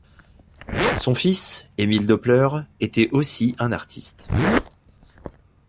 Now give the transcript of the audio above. Son fils, Emil Doepler, était aussi un artiste.